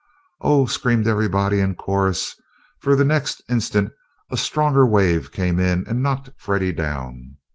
"Oh!" screamed everybody in chorus, for the next instant a stronger wave came in and knocked Freddie down.